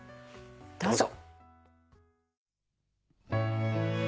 どうぞ。